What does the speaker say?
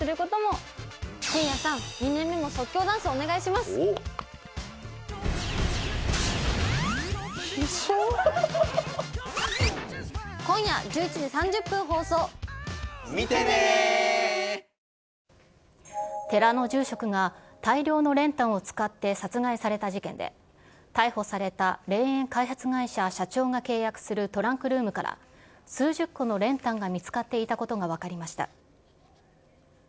また、報道機関には、寺の住職が大量の練炭を使って殺害された事件で、逮捕された霊園開発会社社長が契約するトランクルームから、数十個の練炭が見つかっていたことが分かりました。